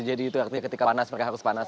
jadi itu artinya ketika panas mereka harus panas